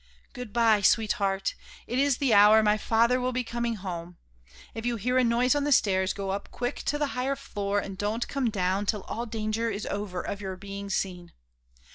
"Good bye, sweetheart! it is the hour my father will be coming home. If you hear a noise on the stairs, go up quick to the higher floor and don't come down till all danger is over of your being seen.